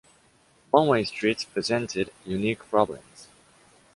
One way streets presented unique problems.